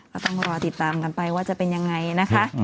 ก็ต้องรอติดตามกันไปว่าจะเป็นยังไงนะคะ